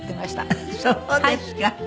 あっそうですか。